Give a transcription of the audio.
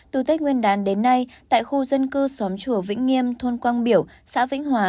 từ tết nguyên đán đến nay tại khu dân cư xóm chùa vĩnh nghiêm thôn quang biểu xã vĩnh hòa